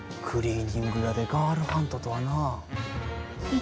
クリーニング屋でガールハントとはなあ。